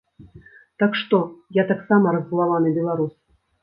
Так што, я таксама раззлаваны беларус.